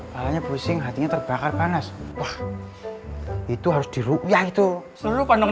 kalanya pusing hatinya terbakar panas itu harus dirugian itu seru panjang